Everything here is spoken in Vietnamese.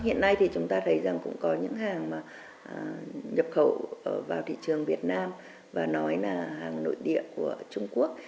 hiện nay thì chúng ta thấy rằng cũng có những hàng mà nhập khẩu vào thị trường việt nam và nói là hàng nội địa của trung quốc